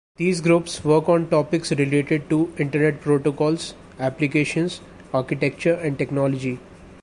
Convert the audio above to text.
These groups work on topics related to Internet protocols, applications, architecture and technology.